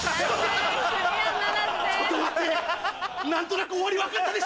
何となく。